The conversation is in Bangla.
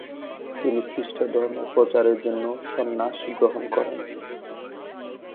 তিনি খ্রিষ্টধর্ম প্রচারের জন্য সন্ন্যাস গ্রহণ করেন ।